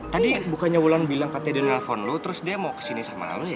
tadi bukannya wulan bilang katanya dia nelfon lu terus dia mau kesini sama lo ya